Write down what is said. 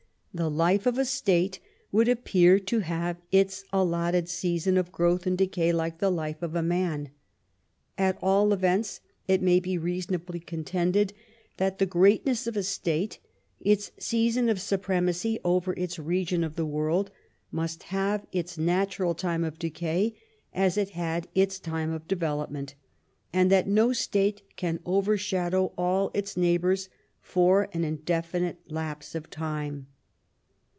The life of a state would appear to have its allotted season of growth and decay like the life of a man. At all events it may be reasonably con tended that the greatness of a state, its season of supremacy over its region of the world, must have its natural time of decay as it had its time of develop ment, and that no state can overshadow all its neigh bors for an indefinite lapse of time.